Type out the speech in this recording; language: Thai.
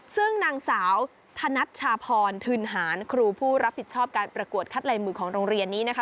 ซึ่งนางสาวธนัชชาพรทืนหารครูผู้รับผิดชอบการประกวดคัดลายมือของโรงเรียนนี้นะคะ